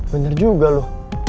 bener juga lo